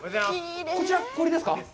こちら氷ですか？